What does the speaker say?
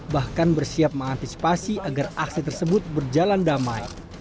bahkan bersiap mengantisipasi agar aksi tersebut berjalan damai